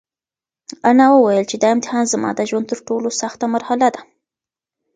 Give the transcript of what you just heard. انا وویل چې دا امتحان زما د ژوند تر ټولو سخته مرحله ده.